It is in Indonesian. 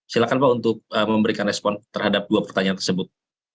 silahkan pak untuk memberikan respon terhadap dua pertanyaan tersebut